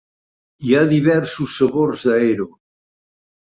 Hi ha diversos sabors d'Aero.